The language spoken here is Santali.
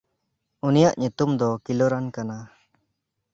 ᱩᱱᱤᱭᱟᱜ ᱧᱩᱛᱩᱢ ᱫᱚ ᱠᱤᱞᱚᱨᱟᱱ ᱠᱟᱱᱟ᱾